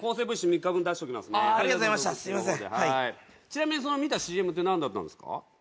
ちなみにその見たＣＭって何だったんですか？